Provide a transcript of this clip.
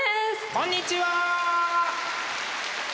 こんにちは！